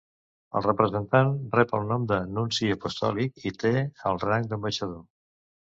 El representant rep el nom de Nunci Apostòlic, i té el rang d'ambaixador.